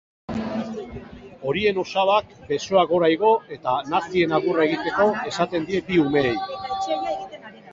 Horien osabak besoa gora igo eta nazien agurra egiteko esaten die bi umeei.